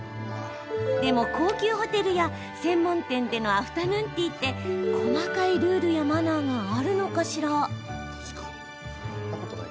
でも高級ホテルや専門店でのアフタヌーンティーって細かいルールやマナーがあるのかしら？